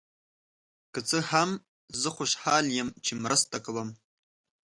که څه هم، زه خوشحال یم چې مرسته کوم.